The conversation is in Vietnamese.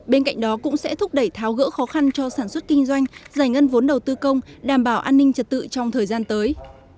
bên cạnh đó cũng sẽ thúc đẩy tháo gỡ khó khăn cho sản xuất kinh doanh giải ngân vốn đầu tư công đảm bảo an ninh trật tự trong thời gian tới